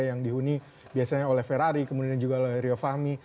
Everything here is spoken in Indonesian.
yang dihuni biasanya oleh ferrari kemudian juga oleh rio fahmi